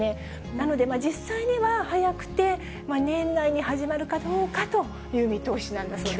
なので、実際には早くて年内に始まるかどうかという見通しなんだそうです。